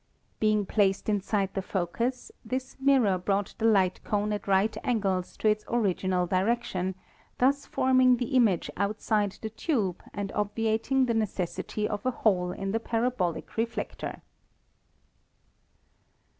Being placed inside the focus, this mirror brought the light cone at right angles to its original direc tion, thus forming the image outside the tube and obviating the necessity of a hole in the parabolic reflector.